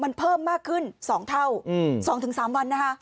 มันเพิ่มมากขึ้นสองเท่าอืมสองถึงสามวันนะคะ